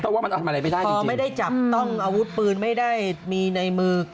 ต้องว่ามันเอาทำอะไรไปได้จริงพอไม่ได้จับต้องเอาวุธพื้นไม่ได้มีในมือ